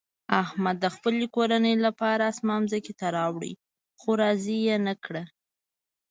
احمد د خپلې کورنۍ لپاره اسمان ځمکې ته راوړ، خو راضي یې نه کړه.